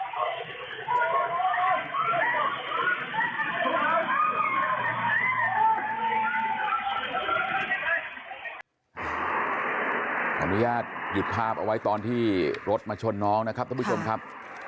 ขออนุญาตหยิบภาพเอาไว้ตอนที่รถมาชนน้องนะครับท่านผู้ชมครับ